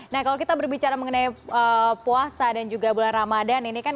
nah kalau kita berbicara mengenai puasa dan juga bulan ramadan ini kan